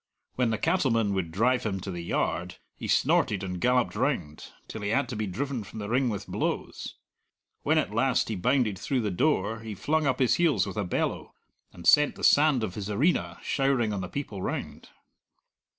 When the cattlemen would drive him to the yard, he snorted and galloped round, till he had to be driven from the ring with blows. When at last he bounded through the door, he flung up his heels with a bellow, and sent the sand of his arena showering on the people round.